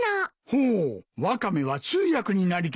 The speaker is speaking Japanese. ほうワカメは通訳になりたいのか。